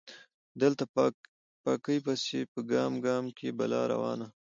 دلته پاکۍ پسې په ګام ګام کې بلا روانه